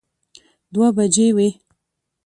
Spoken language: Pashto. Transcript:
دوه بجې وې.